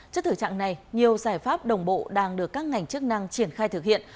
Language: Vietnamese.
trước thử trạng này nhiều giải pháp đồng bộ đang được các ngành chức năng triển khai thực hiện